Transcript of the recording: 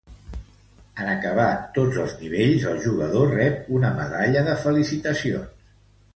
En acabar tots els nivells, el jugador rep una medalla de felicitacions.